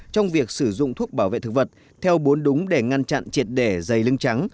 trong việc sử dụng thuốc bảo vệ thực vật theo bốn đúng để ngăn chặn triệt để dày lưng trắng